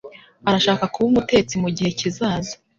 Arashaka kuba umutetsi mugihe kizaza.